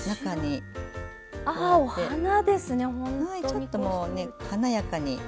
ちょっともうね華やかにグッと。